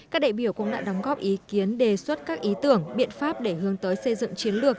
các đại biểu cũng đã đóng góp ý kiến đề xuất các ý tưởng biện pháp để hướng tới xây dựng chiến lược